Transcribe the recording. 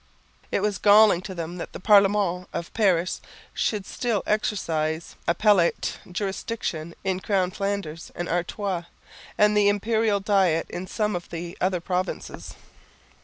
It was galling to them that the Parlement of Paris should still exercise appellate jurisdiction in Crown Flanders and Artois, and the Imperial Diet in some of the other provinces.